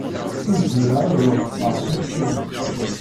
Ur zmireɣ ad wafqeɣ takti-nnem.